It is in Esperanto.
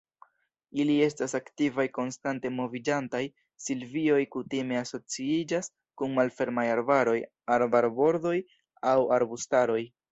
Ili estas aktivaj, konstante moviĝantaj; silvioj kutime asociiĝas kun malfermaj arbaroj, arbarbordoj aŭ arbustaroj.